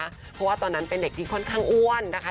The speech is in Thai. เพราะว่าตอนนั้นเป็นเด็กที่ค่อนข้างอ้วนนะคะ